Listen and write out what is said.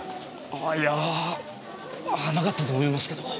あいやぁなかったと思いますけど。